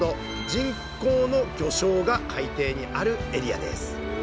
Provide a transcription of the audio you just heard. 人工の魚礁が海底にあるエリアです。